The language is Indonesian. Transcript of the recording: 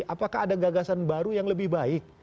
apakah ada gagasan baru yang lebih baik